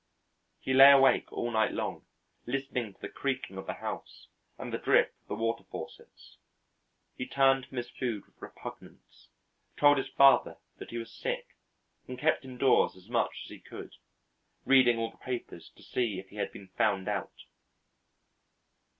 He lay awake all night long, listening to the creaking of the house and the drip of the water faucets. He turned from his food with repugnance, told his father that he was sick, and kept indoors as much as he could, reading all the papers to see if he had been found out.